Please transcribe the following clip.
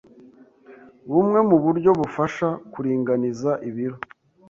bumwe mu buryo bufasha kuringaniza ibiro